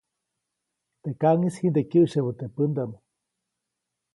Teʼ kaʼŋis jiʼnde kyäʼsyebä teʼ pändaʼm.